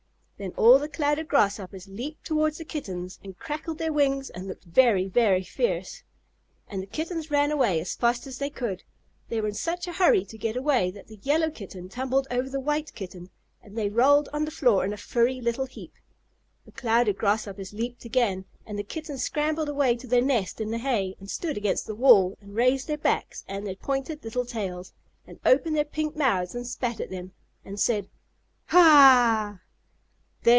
Then all the Clouded Grasshoppers leaped toward the Kittens and crackled their wings and looked very, very fierce. And the Kittens ran away as fast as they could. They were in such a hurry to get away that the Yellow Kitten tumbled over the White Kitten and they rolled on the floor in a furry little heap. The Clouded Grasshoppers leaped again, and the Kittens scrambled away to their nest in the hay, and stood against the wall and raised their backs and their pointed little tails, and opened their pink mouths and spat at them, and said, "Ha ah h h!" "There!"